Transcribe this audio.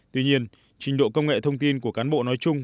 tuy nhiên trình độ công nghệ thông tin của cán bộ nói chung